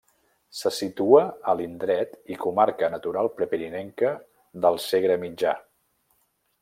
Se situa a l'indret i comarca natural prepirinenca del Segre Mitjà.